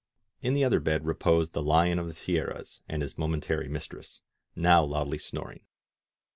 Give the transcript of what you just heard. In the other bed reposed the Lion of the Sierras and his momentary mistress, now loudly snoring.